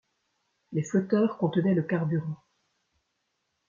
Les flotteurs contenaient le carburant.